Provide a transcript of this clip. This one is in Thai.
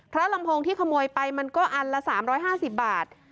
ลำโพงที่ขโมยไปมันก็อันละ๓๕๐บาท